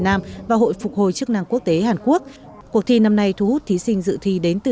nam và hội phục hồi chức năng quốc tế hàn quốc cuộc thi năm nay thu hút thí sinh dự thi đến từ